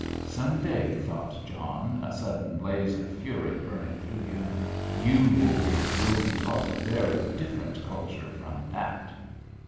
Some day," thought John, a sudden blaze of fury burning through him, "you, Voules, will be taught a very different culture from that."